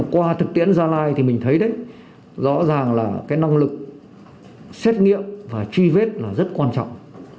qua thực tiễn gia lai thì mình thấy đấy rõ ràng là cái năng lực xét nghiệm và truy vết là rất quan trọng